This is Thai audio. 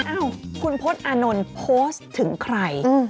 อ้าวคุณพจน์อานนท์โพสต์ถึงใคร